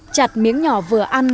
chặt miếng nhỏ vừa ăn